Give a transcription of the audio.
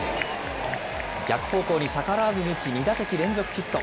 逆方向に逆らわずに打ち、２打席連続ヒット。